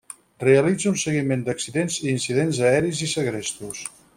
Realitza un seguiment d'accidents i incidents aeris i segrestos.